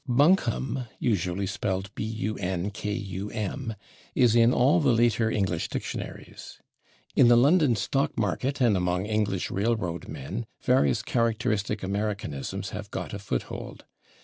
/Buncombe/ (usually spelled /bunkum/) is in all the later English dictionaries. In the London stock market and among English railroad men various characteristic Americanisms have got a foothold.